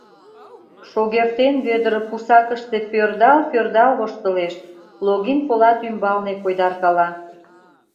Шогертен Вӧдыр пусакыште пӧрдал-пӧрдал воштылеш, Логин полат ӱмбалне койдаркала.